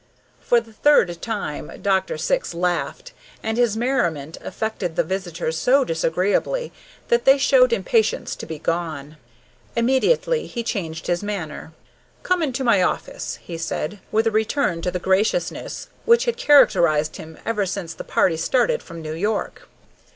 For the third time Dr. Syx laughed, and his merriment affected the visitors so disagreeably that they showed impatience to be gone. Immediately he changed his manner. "Come into my office," he said, with a return to the graciousness which had characterized him ever since the party started from New York.